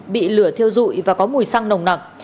bị lửa thiêu dụi và có mùi xăng nồng nặng